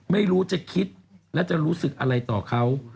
ไม่รู้จะคิดและจะรู้สึกอะไรต่อเขา